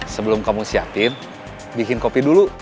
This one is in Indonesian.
sebelum kamu siapin bikin kopi dulu